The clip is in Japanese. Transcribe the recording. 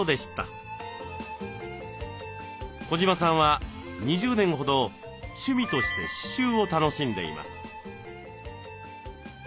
児島さんは２０年ほど趣味として刺しゅうを楽しんでいます。